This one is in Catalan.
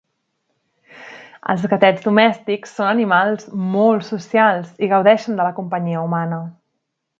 Els gatets domèstics són animals molt socials i gaudeixen de la companyia humana.